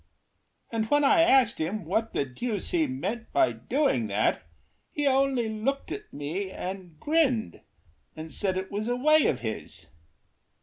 And when I asked him what the deuce he meant By doing that, he only looked at me And grinned, and said it was a way of his.